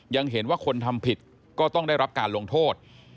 ยังเห็นว่าคนทำผิดก็ต้องได้รับการลงโทษ